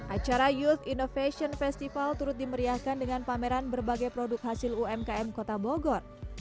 acara youth innovation festival turut dimeriahkan dengan pameran berbagai produk hasil umkm kota bogor